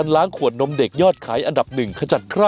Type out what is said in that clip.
ข่าวใส่ไทยสดใหม่ให้เยอะ